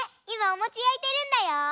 いまおもちやいてるんだよ。